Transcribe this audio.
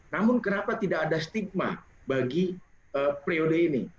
namun kenapa tidak ada stigma bagi priode ini